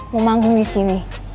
mau manggung disini